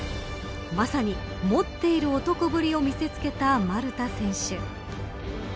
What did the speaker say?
まさに、持っている男ぶりを見せ付けた丸田選手。